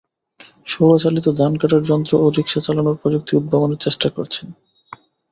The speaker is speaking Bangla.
সৌরচালিত ধান কাটার যন্ত্র ও রিকশা চালানোর প্রযুক্তি উদ্ভাবনের চেষ্টা করছেন।